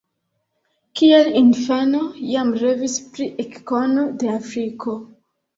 Kiel infano jam revis pri ekkono de Afriko.